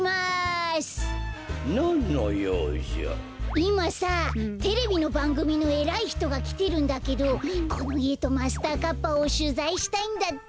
いまさテレビのばんぐみのえらいひとがきてるんだけどこのいえとマスターカッパをしゅざいしたいんだって。